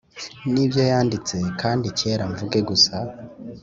nibyo yanditse kandi reka mvuge gusa